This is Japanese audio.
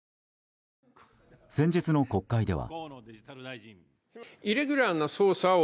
先日の国会では。